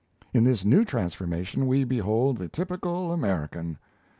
In this new transformation, we behold the typical American!